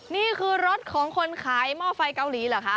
นี่คือรถของคนขายหม้อไฟเกาหลีเหรอคะ